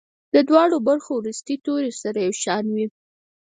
د دواړو برخو وروستي توري سره یو شان وي.